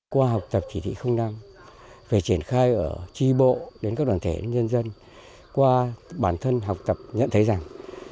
qua học tập chỉ thị năm về triển khai ở tri bộ đến các đoàn thể nhân dân qua bản thân học tập nhận thấy rằng